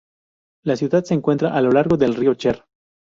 La ciudad se encuentra a lo largo del río Cher.